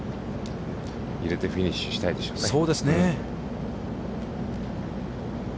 入れてフィニッシュしたいでしょうね。